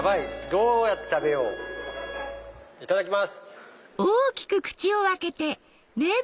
どうやって食べよう？いただきます！